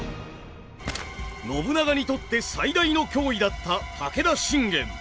信長にとって最大の脅威だった武田信玄。